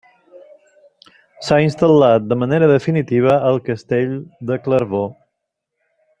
S'ha instal·lat de manera definitiva al castell de Clervaux.